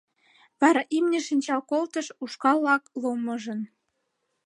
Вара имне шинчал колтыш, ушкал-влак ломыжын.